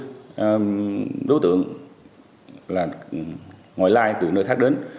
có trên tám mươi đối tượng là ngoài lai từ nơi khác đến